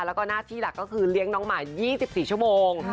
แล้วก็หน้าที่หลักก็คือเลี้ยงน้องหมา๒๔ชั่วโมง